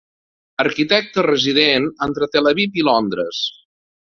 Arquitecte resident entre Tel Aviv i Londres.